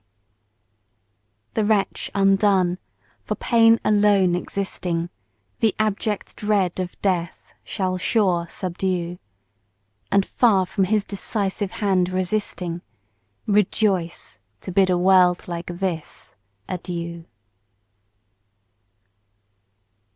Page 76 The wretch undone, for pain alone existing, The abject dread of death shall sure subdue, And far from his decisive hand resisting, Rejoice to bid a world like this, adieu.